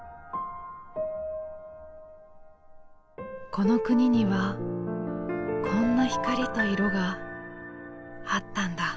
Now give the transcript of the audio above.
この国にはこんな光と色があったんだ。